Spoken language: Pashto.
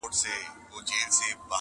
o نه تا کړي، نه ما کړي!